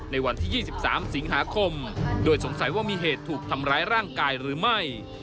ในวันที่๒๓สิงหาคมโดยสงสัยว่ามีเหตุถูกทำร้ายร่างกายหรือไม่